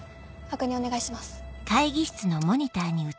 確認お願いします。